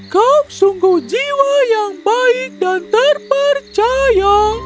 kau sungguh jiwa yang baik dan terpercaya